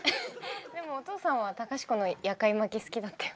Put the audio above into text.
でもお父さんは隆子の夜会巻き好きだったよ。